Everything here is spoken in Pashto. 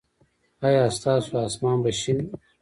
ایا ستاسو اسمان به شین وي؟